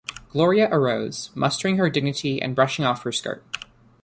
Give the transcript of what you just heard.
Gloria arose, mustering her dignity and brushing off her skirt.